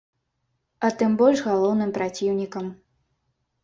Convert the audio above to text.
А тым больш галоўным праціўнікам.